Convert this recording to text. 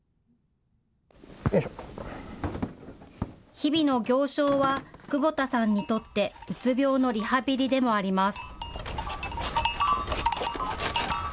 日々の行商は久保田さんにとってうつ病のリハビリでもあります。